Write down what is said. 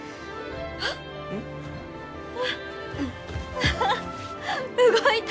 アハ動いた！